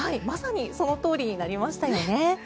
まさにそのとおりになりましたよね。